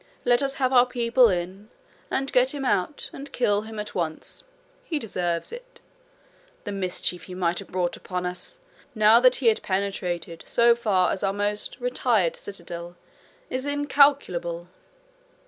Let us have our people in, and get him out and kill him at once. He deserves it. The mischief he might have brought upon us, now that he had penetrated so far as our most retired citadel, is incalculable.